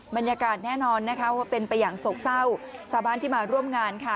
บรรยากาศแน่นอนนะคะว่าเป็นไปอย่างโศกเศร้าชาวบ้านที่มาร่วมงานค่ะ